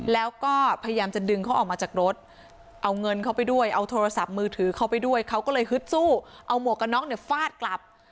แล้วก็พยายามจะดึงเขาออกมาจากรถเอาเงินเข้าไปด้วยเอาโทรศัพท์มือถือเขาไปด้วยเขาก็เลยฮึดสู้เอาหมวกกันน็อกเนี่ยฟาดกลับ